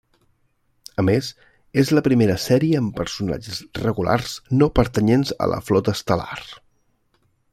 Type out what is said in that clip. A més, és la primera sèrie amb personatges regulars no pertanyents a la Flota Estel·lar.